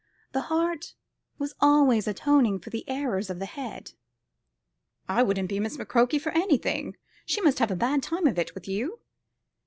The heart was always atoning for the errors of the head. "I wouldn't be Miss McCroke for anything. She must have a bad time of it with you."